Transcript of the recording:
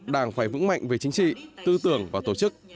đảng phải vững mạnh về chính trị tư tưởng và tổ chức